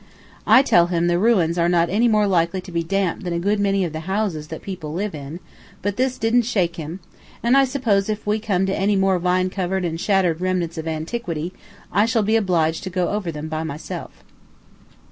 I tell him the ruins are not any more likely to be damp than a good many of the houses that people live in; but this didn't shake him, and I suppose if we come to any more vine covered and shattered remnants of antiquity I shall be obliged to go over them by myself.